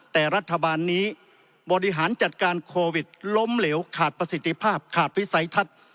แต่รัฐบาลนี้บริหารจัดการโควิดล้มเหลวขาดประสิทธิภาพขาดวิสัยทัศน์